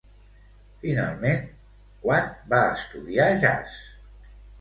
Finalment, quan va estudiar jazz?